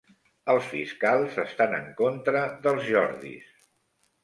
Els fiscals estan en contra dels Jordis